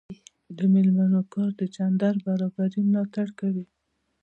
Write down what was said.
د میرمنو کار د جنډر برابري ملاتړ کوي.